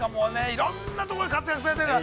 いろんなところで活躍されてる。